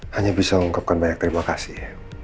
hanya bisa mengungkapkan banyak terima kasih